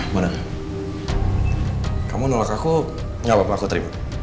mona kamu nolak aku gak apa apa aku terima